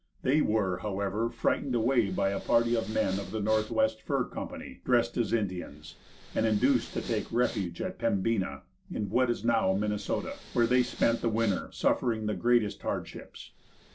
They were, however, frightened away by a party of men of the Northwest Fur Company, dressed as Indians, and induced to take refuge at Pembina, in what is now Minnesota, where they spent the winter, suffering the greatest hardships.